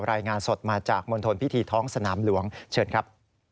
รายงานสดมาจากมณฑลพิธีท้องสนามหลวงเชิญครับ